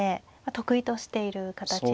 得意としている形ですね。